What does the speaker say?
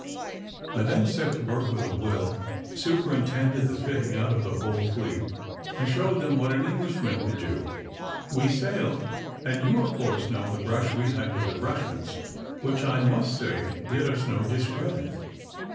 I then set to work with a will, superintended the fitting out of the whole fleet, and showed them what an Englishman could do. We sailed, and you of course know the brush we had with the Russians, which I must say did us no discredit.